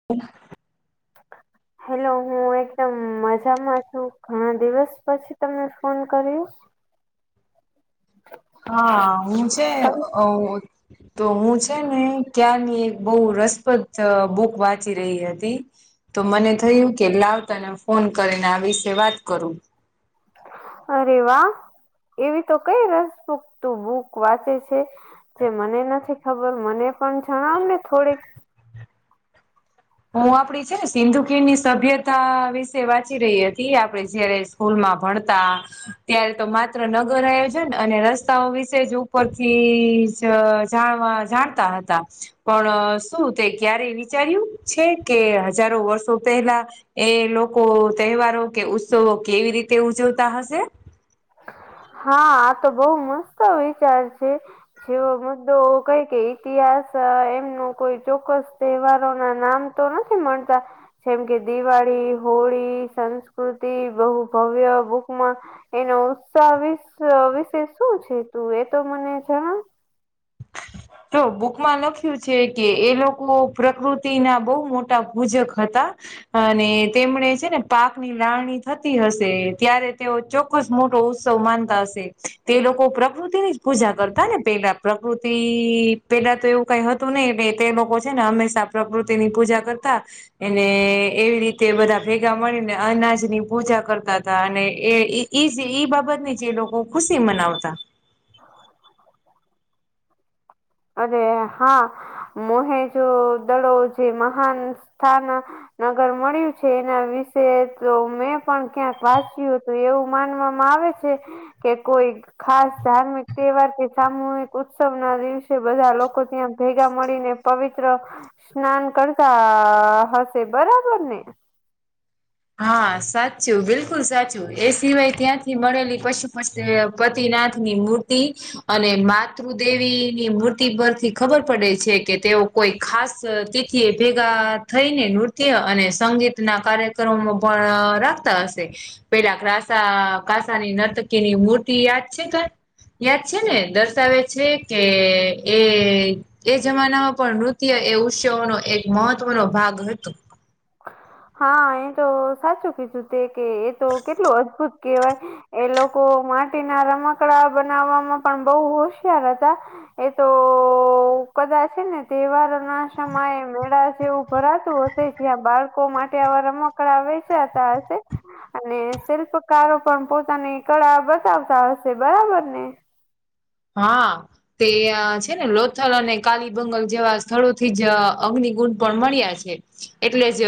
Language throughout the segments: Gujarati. [inaudible] [inaudible] હેલો હું એકદમ મજામાં છું ઘણાં દિવસ પછી તમે ફોન કર્યું. હાં હું છે અ ઓ. તો હું છે ને ક્યાંરની એક બહુ રસપ્રદ ચ બુક વાંચી રહી હતી. તો મને થયું કે લાવ તને ફોન કરીને આ વિશે વાત કરું. અરે વાહ એવી તો કઈ રસપ્રદ બૂક વાંચે છે. જે મને નથી ખબર મને પણ જણાવ ને થોડીક. હું આપડી છે ને સિંધુ ખીર ની સભ્યતા વિશે વાંચી રહી હતી આપડે જ્યારે સ્કૂલમાં ભણતાં ત્યારે તો માત્ર નગર આયોજન અને રસ્તાઓ વિશે જ ઉપરથી જ જાણવા જાણતા હતા પણ શું તે ક્યારેય વિચાર્યું. છે કે હજારો વર્ષો પહેલાં એ લોકો તહેવારો કે ઉત્સવો કેવી રીતે ઉજવતાં હશે. હા આ તો બહું મસ્ત વિચાર છે. જેવો મુદ્દો કઈ કે ઇતિહાસ એમનું કોઈ ચોક્કસ તહેવારો નામ તો નથી મણતા. જેમ કે દિવાળી, હોળી, સંસ્કૃતિ બહુ ભવ્ય બુકમાં એનો ઉત્સાહ વિશ વિશે શું છે તું એ તો મને જણાવ. તો બુકમાં લખ્યું છે કે એ લોકો પ્રકૃતિનાં બહુ મોટાં ભૂજક હતાં. અને તેમણે છે ને પાકની લાવણી થતી હશે ત્યારે તેઓ ચોક ખુબ જ મોટો ઉત્સવ માનતાં હશે તે લોકો પ્રકૃતિની જ પૂજા કરતાં ને પેલાં પ્રકૃતિ તી પેલા તો એવું કઈ હતું ને તે લોકો છે ને હંમેશાં પ્રકૃતિની પૂજા કરતાં. એને એવી રીતે બધા ભેગા મળીને અનાજની પૂજા કરતા હતા અને એ ઇ ઈ જે ઈ બાબતની જે લોકો ખુશી મનાવતા. અરે હા મોહેજો દળો જે મહાન સ્થાન નગર મળ્યું છે એના વિશે તો મેં પણ ક્યાંક વાંચ્યું તો એવું માનવામાં આવે છે કે કોઈ ખાસ ધાર્મિક તહેવાાર કે સામૂહિક ઉત્સ ઉત્સવના દિવસે બધા લોકો ત્યાં ભેગા મળીને પવિત્ર સ્નાન કરતા હશે બરાબર ને. હા સાચું બિલકુલ સાચું એ સિવાય ત્યાંથી મળેલી પશુ પસી ત પતિનાથની મૂર્તિ. અને માતૃદેવીની મૂર્તિ પરથી ખબર પડે છે કે તેઓ કોઈ ખાસ તિથિ એ ભેગા થઈને નૃત્ય અને સંગીતના કાર્ય કર્મો પણ રાખતા હશે. પેલા ગ્રાસા કાસાની નર્તકીની મૂર્તિ યાદ છે કા યાદ છે ને દર્શાવે છે કે એ એ જમાનામાં પણ નૃત્ય એ ઉત્સવનો એક મહત્વનો ભાગ હતુ. હા એ તો સાચું કીધું તે કે એ તો કેટલું અદભુત કહેવાય. એ લોકો માટીના રમકડા બનાવવામાં પણ બહુ હોશિયાર હતા. એ તો કદાચ હેને તહેવારના સમયે મેળા જેવું ભરાતું હત જ્યાં બાળકો માટે આવા રમકડા વેચાતા હશે. અને શિલ્પકારો પણ પોતાની કળા બતાવતા હશે બરાબર ને? હા. તે છે ને લોથલ અને કાલીબંગલ જેવા સ્થળોથી જ અગ્નિકુંડ પણ મળ્યા છે. એટલે જ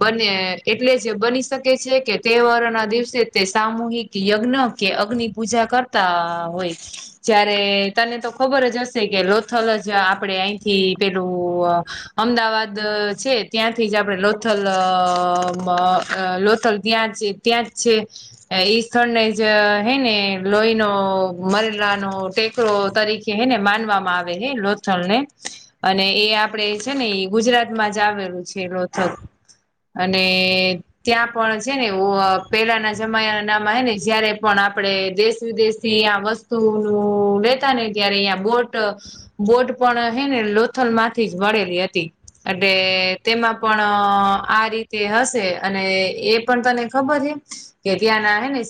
બને એટલે જ બની શકે છે કે તહેવારોના દિવસે તે સામૂહિક યજ્ઞ કે અગ્નિ પૂજા કરતા હોય. જયારે તને તો ખબર જ હશે કે લોથલ જ આપણેે અહીંથી પેલું અમદાવાદ છે ત્યાંથી જ આપણે લોથલ લોથલ ત્યાં જ છે. ત્યાં જ છે એ સ્થળને જ હે ને લોહીનો મરેલાનો ટેકરો તરીકે હેને માનવામાં આવે હે લોથલને. અને એ આપડે છે ને એ ગુજરાતમાં જ આવેલું છે લોથલ. અને ત્યાં પણ છે ને ઓવ પેલાના જમાના નામાં હેને જયારે પણ આપડે દેશ વિદેશથી અહીંયા વસ સ્તુ લેતા ને ત્યારે ઇયા બોટ બોટ પણ હેને લોથલમાંથી જ મળેલી હતી. એટલે તેમાં પણ આ રીતે હશે અને એ પણ તને ખબર હે? કે ત્યાંના હે ને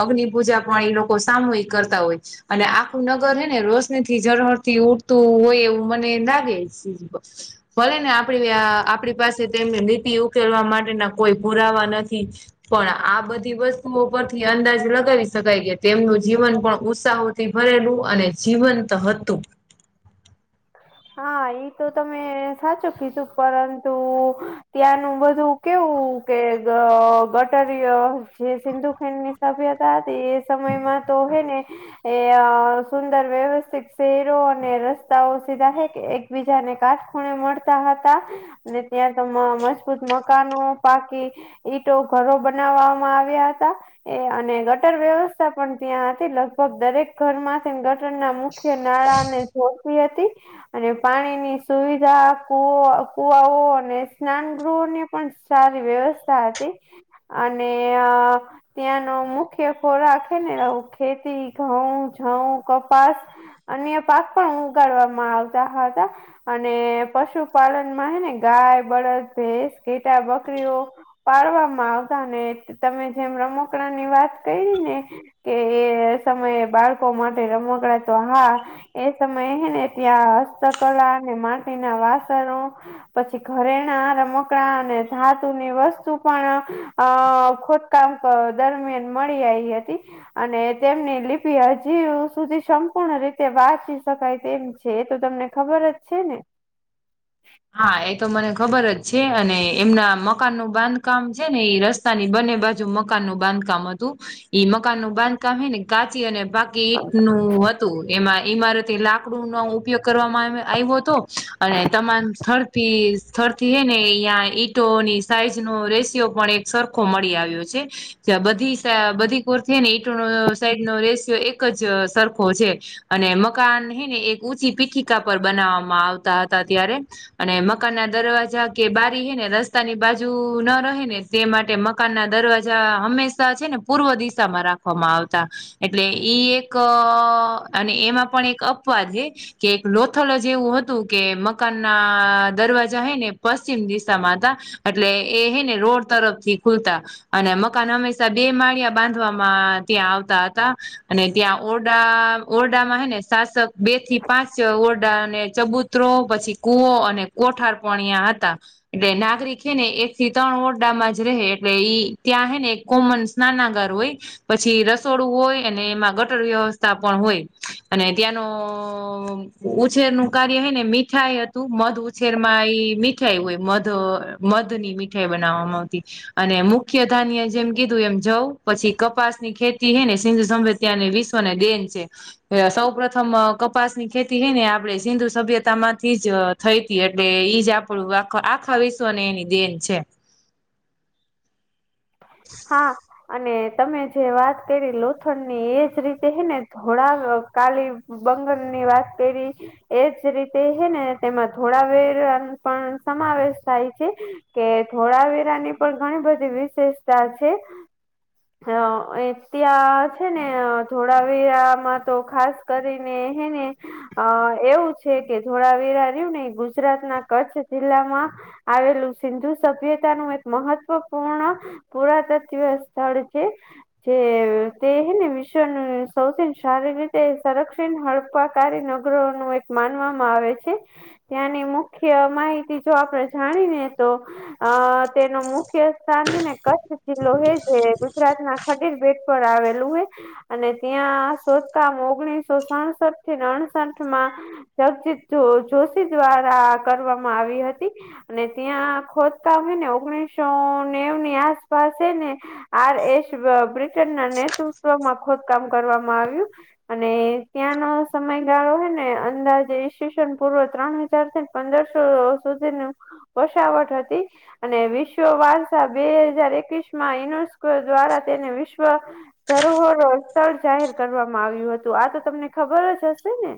અગ્નિ પૂજા પણ એ લોકો સામૂહિક કરતા હોય છે. અને આખું નગર હેને રોશનીથી ઝરહળરથી ઉડતું હોય એવું મને લાગે છે. ભલે ને આપડી આપણી પાસે તેમની નીતિ ઉકેલવા માટેના કોઈ પુરાવા નથી. પણ આ બધી વસ્તુઓ પરથી અંદાજ લગાવી શકાય કે તેમનું જીવન પણ ઉત્સાહોથી ભરેલું અને જીવંત હતું. હા ઈતો તમે સાચું કીધું પરંતુ ત્યાંનું બધું કેવું કે ગ ગટરીય જે સિંધુ ખીણની તભિયતા હતા તે એ સમયમાં તો હેને એ સુંદર વ્યવસ્થિત શહેરો અને રસ્તાઓ. સીધા હે કે એકબીજાને કાટ ખૂણે મળતા હતા. અને ત્યાં તો મજબૂત મકાનો પાકી. ઈટો ઘરો બનાવવામાં આવ્યા હતા. એ અને ગટર વ્યવસ્થા પણ ત્યાં હતી લગભગ દરેક ઘરમાંથીને ગટરના મુ મુખ્ય નાણાને જોબવી હતી. અને પાણીની સુવિધા, કુવા કુવાઓ અને સ્નાનગૃહોની પણ સારી વ્યવસ્થા હતી અને ત્યાંનો મુખ્ય ખોરાક હેને આવું ખેતી, ઘઉં, જઉં, કપાસ. અને પાક પણ ઉગાડવામાં આવતા હતા. અને પશુપાલનમાં હેને ગાય, બળદ, ભેંસ, ઘેટા, બકરીઓ. પાડવામાં આવતા ને તમે જેમ રમકડાની વાત કયરીને કે એ સમયે બાળકો માટે રમકડા તો હા એ સમય હેને ત્યાં હસ્તકલા અને માટીના વાસણો. પછી ઘરેણા, રમકડા અને ધાતુની વસ્તુ પણ અ ખોટકામ દરમિયાન મળી આઈ હતી. અને તેમની લિપિ હજી સુધી સંપૂર્ણ રીતે વાંચી શકાય તેમ છે. છે એતો તમને ખબર જ છે ને? હા એ તો મને ખબર જ છે અને એમના મકાનનું બાંધકામ છે ને એ રસ તાની બંને બાજુ મકાન નું બાંધકામ હતું ઈ મકાન નું બાંધકામ હેને કાચી અને ગેટ નું હતું એમાં ઈમારતે લાકડું નો ઉપયોગ કરવામાં આવ્યો હતો અને તમામ થરતી જ થરતી હે ને અં ઈટોની સાઈઝ નો રેશિયો પણ એક સર ખો મળી આવ્યો છે. જે બધી સ બધી કોરથી ને ઈટનો સાઈડ નો રેશિયો એક જ સરખો છે. અને મકાન હેને એક ઊંચી પીખિકા પર બનાવવામાં આવતા હતા ત્યારે અને મકાન ના દરવાજા કે બારી હેને રસ્તાની બાજુ ન રહે ને તે માટે મ મકાન ના દરવાજા હંમેશા છે ને પૂર્વ દિશામાં રાખવામાં આવતા એટલે ઈ એક અને એમાં પણ એક અપવાદ છે. કે એક લોથલ જ એવું હતું કે મકાનના અ દરવાજા હૈ ને પશ્ચિમ દિશામાં હતા એટલે એ હેને રોડ તરફ થી ખુલતા અને મકાન હંમેશા બે માળિયા બાંધવામાં ત્યાં આવતા હતા અને ત્યાં ઓરડા ઓરડામાં હેને શાસક બે થી પાંચ ઓરડા અને ચબુતરો પછી કુવો અને કોઠાર પણ અયાં હતા એટલે નાગરિક હેને એક થી ત્રણ ઓરડામાં જ રહે એટલે ઈ ત્યાં હે ને કોમન નાનાગર હોઈ. પછી રસોડું હોય અને એમાં ગટર વ્યવસ્થા પણ હોય અને ત્યાંનો ઉછેર નું કાર્ય હેને મીઠાઈ તું મંધ ઉછેરમાં એ મીઠાઈ હોય મંધ મંધ ની મીઠાઈ બનાવવામાં આવતી અને મુખ્ય ધાન્ય જેમ કીધું એમ જઉ પછી કપાસ ની ખેતી હેને સિંધુ સંભ ત્યાંની વિશ્વને દેન છે. અ સૌ પ્રથમ અ કપાસ ની ખેતી હે ને આપડે સિંધુ સભ્યતામાંથી જ જ થઈ તી એટલે ઈજ આપણું આ આખા વિશ્વને એની દેન છે. હા. અને તમે જે વાત કરી લોથડની એજ રીતે હેને ધોળા કાલી બંગલ ની વાત કરી એજ રીતે હેને તેમાં થોડા વેર પણ સમાવેશ થાય છે. કે થોળાવીરાની પણ ઘણી બધી વિશેષતા છે. અ એ ત્યાં છે ને ધોળાવીરા માં તો ખાસ કરીને હેને અ એવું છે કે ધોળાવેરા રહ્યું ને ગુજરાત ના કચ્છ જિલ્લામાં આવેલું સિંધુ સભ્યતા નું એક મહત્વપૂર્ણ પુરા તત્વ સ્થળ છે. જે તે હેને વિશ્વનું સૌથી સારી રીતે સંરક્ષણ હળપા કાયૅ નગરો નું એક માનવામાં આવે છે. ત્યાંની મુખ્ય માહિતી જો આપણે જાણીને તો અ તેનું મુખ્ય સ્થાન હે ને કચ્છ જિલ્લો હે જે ગુજરાતના ખડીર બેેટ પર આવેલું હે. અને ત્યાં શોધકામ ઓગણીસો સાસઠથી ને અડસઠ માં જગજીત જો જોશી દ્વારા કરવામાં આવી હતી. અને ત્યાં ખોદકામ હે ને ઓગણીસો નેવું ની આસપાસ હે ને આર એસ અ બ્રિટન ના નેતૃત્વમાં ખોદ કામ કરવામાં આવ્યું. અને ત્યાંનો સમયગાળો હોય ને અંદાજે ઇસ્યુશન પૂર્વ ત્રણ હ ચાર સો ને પંદરસો સુધી નું બશાવટ હતી અને વિશ્વ વારસા બે હજાર એકવીસ માયન્સ દ્વારા તેને વિશ્વ ધરોહરો સ્થળ જાહેર કરવામાં આવ્યું હતું આ તો તમને ખબર જ હશે ને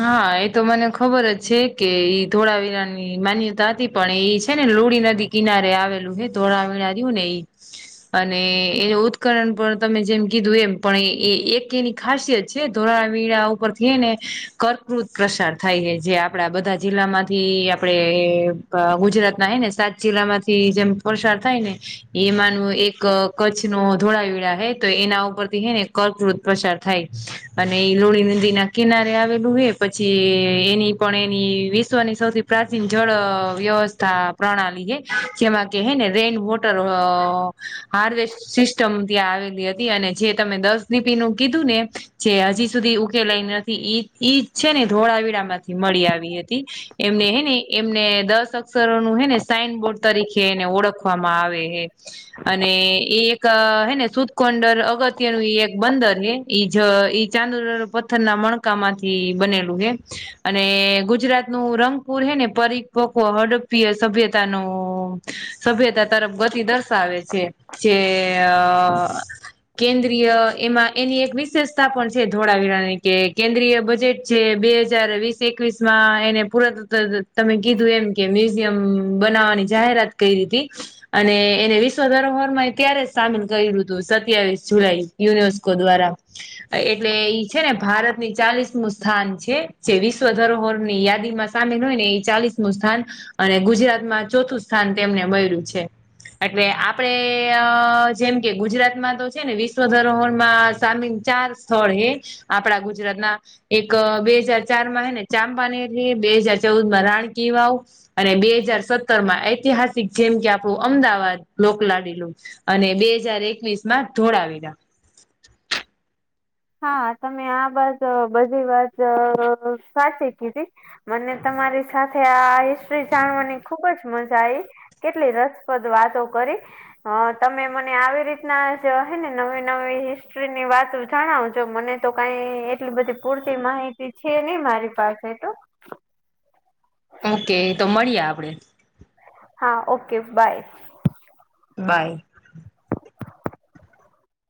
હા એ તો મને ખબર જ છે કે ઈ ધોળાવીરાની માન્યતા અતી પણ એ છે ને લુડી નદી કિનારે આવેલું હે ધોળાવીરાણ્યું ને ઈ અને એનું ઊત્કરણ પણ તમે જેમ કીધું એમ પણ એ એકે ની ખાસિયત છે ધોરાવીણા ઉપરથી હે ને કર્કૃવૃત પ્રસાર થાય હે જે આપડા બધા જિલ્લામાંથી આપડે એ પ ગુજરાત ના હે ને સાત જિલ્લામાંથી જેમ પસાર થાય ને એ માનું એક કચ્છ નો ધોળાવીડા હે તો એના ઉપરથી હે ને કર્કવૃત પ્રસાર થાય અને એ લોણી નદીના કિનારે આવેલું હે પછી એની પણ એની વિશ્વની સૌથી પ્રાચીન જળ વ્યવસ્થા પ્રણાલી હે જેમાં કે હે ને રેન વોટર અ હાર્વેસ્ટ સિસ્ટમ ત્યાં આવેલી હતી અને જે તમે દસદીપીનું કીધું ને જે હજી સુધી ઉ કેલાઈ નથી ઈ ઈ છે ને ધોળાવીડા માંથી મળી આવી હતી. એમને હે ને એમને દસ અક્ષરો નું હેને સાઈન બોર્ડ તરીકે એને ઓળખવામાં આવે હે અને એ એક હેને સુદકોંડર અગત્ય નું એક બંદર હે ઈ જ ઈ ચાંદુ પથ્થર ના મણકા માંથી બનેલું હે અને ગુજરાત નું રંગપુર હે ને પરિપક્વ હડપીય સભ્યતાનું સભ્યતા તરફ ગતિ દર્શાવે છે જે અ કેન્દ્રીય એમાં એની એક વિશેષતા પણ છે ધોળાવીરાની કે કેન્દ્રીય બ જેટ છે બે હજાર વીસ એકવીસમાં એને પુરાત તમે કીધું એમ કે મ્યુઝિયમ બનાવાની જાહેરાત કયરી તી અને એને વિશ્વ ધરોહરમાંય ત્યારે જ સામેલ કયરું તું સત્યાવીસ જુલાઈ યુનેસ્કો દ્વારા એટલે ઇ છે ને ભારતની ચાલીસ મુ સ્થાન છે જે વિશ્વ ધરોહર ની યાદીમાં સામેલ હોય ને ઇ ચાલીસમું સ્થાન અને ગુજરાતમાં ચોથું સ્થાન તેમને મયરું છે. એટલે આપડે અ જેમ કે ગુજરાતમાં તો છે ને વિશ્વ ધરોહરમાં સામિલ ચાર સ્થળ હે આપડા ગુજરાતના એક બે હજાર ચાર માં હે ને ચામપાનેરની બે હાજર ચૌદ માં રાણકીવાવ અને બે હજાર સત્તર માં ઐતિહાસિક જેમ કે આપણું અમદાવાદ લોકલાડીલું અને બે હજાર એકવીસમાં ધોળાવીરા હા તમે આ બાત બધી વાત અ સાચી કીધી મને તમારી સાથે આ હિસ્ટ્રી જાણવાની ખુબ જ મજા આઈ કેટલી રસપ્રદ વાતો કરી હ તમે મને આવી રીતના જ હે ને નવી નવી હિસ્ટ્રી ની વાતો જ જણાવજો મને તો કાઈ એટલી બધી પૂરતી માહિતી છે ની મારી પાસે તો ઓકે તો મળીએ આપડે હા ઓકે બાય બાય